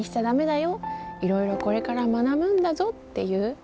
いろいろこれから学ぶんだぞ」っていう。